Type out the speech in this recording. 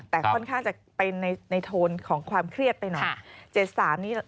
แต่ค่อนข้างจะเป็นในโทนของความเครียดไปหน่อย